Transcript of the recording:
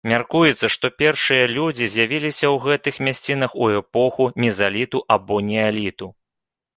Мяркуецца, што першыя людзі з'явіліся ў гэтых мясцінах у эпоху мезаліту або неаліту.